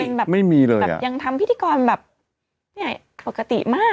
ยังทำพิธีกรแบบเนี่ยปกติมากเลย